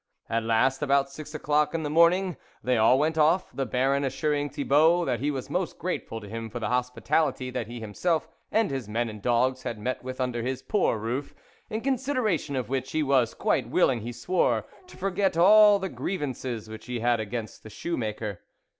At last, about six o'clock in the morning, they all went off, the Baron assuring Thibault that he was most grateful to him for the hospitality that he himself and his men and dogs had met with under his poor roof, in consideration of which he was quite willing, he swore, to forget all the grievances which he had against the shoe maker.